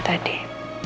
kita sampai rena